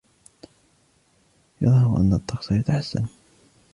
يظهر أن الطقس يتحسن.